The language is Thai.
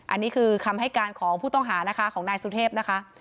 อันนี้คือคำให้การของผู้ต้องหานะคะของนายสุเทพนะคะ